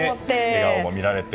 笑顔も見られて。